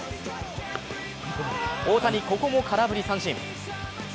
大谷、ここも空振り三振。